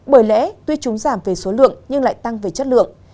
bởi lẽ tuy chúng giảm về số lượng nhưng lại tăng về chất lượng